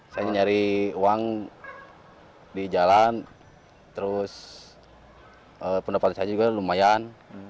saya nyari uang di jalan terus pendapat saya juga lumayan